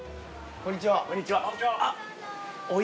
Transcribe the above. こんにちは。